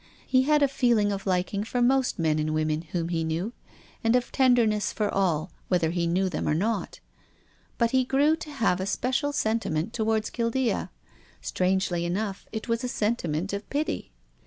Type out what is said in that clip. He had a feeling of liking for most men and women whom he knew, and of tenderness for all, whether he knew them or not, but he grew to have a special sentiment towards Guildea. Strangely enough, it was a sentiment of pity.